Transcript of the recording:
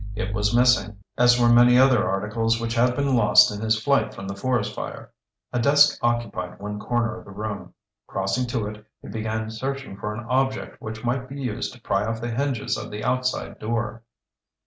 It was missing, as were many other articles which had been lost in his flight from the forest fire. A desk occupied one corner of the room. Crossing to it, he began searching for an object which might be used to pry off the hinges of the outside door.